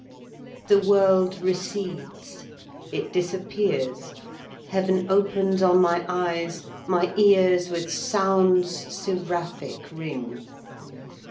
The world recedes; it disappears! Heav'n opens on my eyes! my ears With sounds seraphic ring!